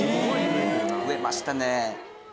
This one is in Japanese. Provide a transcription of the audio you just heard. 増えましたね。